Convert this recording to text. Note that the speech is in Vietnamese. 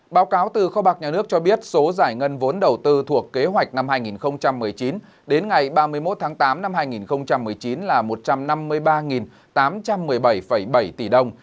báo cáo từ kho bạc nhà nước cho biết số giải ngân vốn đầu tư thuộc kế hoạch năm hai nghìn một mươi chín đến ngày ba mươi một tháng tám năm hai nghìn một mươi chín là một trăm năm mươi ba tám trăm một mươi bảy bảy tỷ đồng